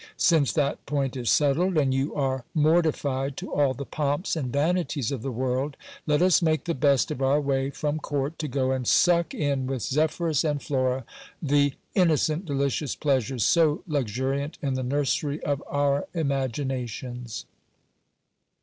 Since that point is settled, and you are mortified to all the pomps and vanities of the world ; let us make the best of ojr way from court, to go and suck in with Zephyrus and Flora the innocent, delicious pleasures so luxuriant in the nursery of our imaginations. 334 GIL BLAS.